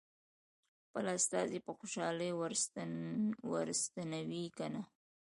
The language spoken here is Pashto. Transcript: خپل استازی په خوشالۍ ور ستنوي که نه.